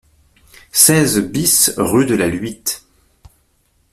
seize BIS rue de la Luitte